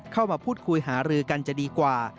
เข้ามาพูดคุยหารือกันจะดีกว่า